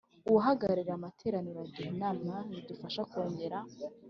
Uwahagarariye amateraniro aduha inama zidufasha kongera